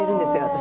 私。